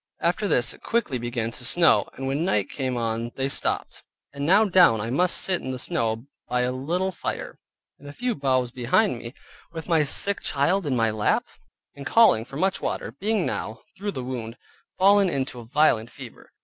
After this it quickly began to snow, and when night came on, they stopped, and now down I must sit in the snow, by a little fire, and a few boughs behind me, with my sick child in my lap; and calling much for water, being now (through the wound) fallen into a violent fever.